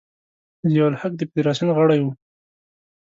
ضیا الحق د فدراسیون غړی و.